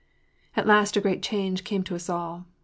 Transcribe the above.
AT last a great change came to us all.